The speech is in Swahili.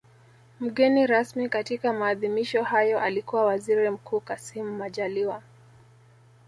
Mgeni rasmi katika maadhimisho hayo alikuwa Waziri Mkuu Kassim Majaliwa